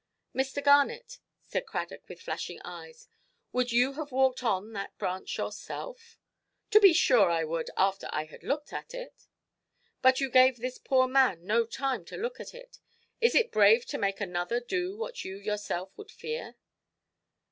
"Mr. Garnet", said Cradock, with flashing eyes, "would you have walked on that branch yourself"? "To be sure I would, after I had looked at it". "But you gave this poor man no time to look. Is it brave to make another do what you yourself would fear"?